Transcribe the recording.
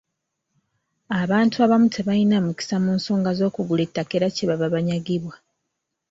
Abantu abamu tebalina mukisa mu nsonga z'okugula ettaka era kye bava banyagibwa.